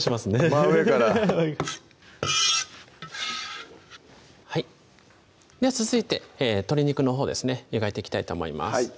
真上からはい続いて鶏肉のほうですね湯がいていきたいと思います